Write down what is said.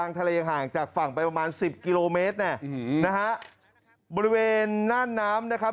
แล้วก็ลากขึ้นจะง่ายฝ่าพร้อมขึ้นไปครับ